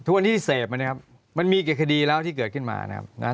วันที่เสพมานะครับมันมีกี่คดีแล้วที่เกิดขึ้นมานะครับ